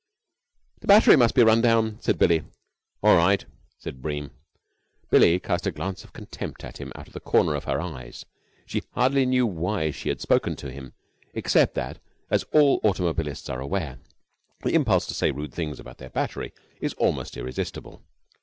"The battery must be run down," said Billie. "All right," said Bream. Billie cast a glance of contempt at him out of the corner of her eyes. She hardly knew why she had spoken to him except that, as all automobilists are aware, the impulse to say rude things about their battery is almost irresistible.